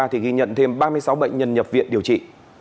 thì ghi nhận thêm ba mươi sáu bệnh nhân nhập viện điều trị